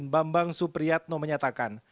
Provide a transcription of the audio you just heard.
bambang supriyatno menyatakan